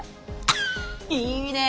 いいねえ！